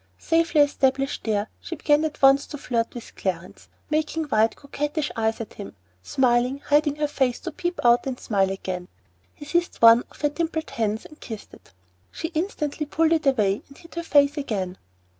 Safely established there, she began at once to flirt with Clarence, making wide coquettish eyes at him, smiling, and hiding her face to peep out and smile again. He seized one of her dimpled hands and kissed it. She instantly pulled it away, and hid her face again.